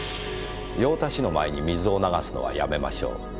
「用足しの前に水を流すのはやめましょう」